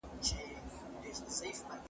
د جګړې په ورځ هوا څنګه وه؟